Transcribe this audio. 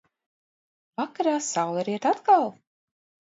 Vakarā saule riet atkal.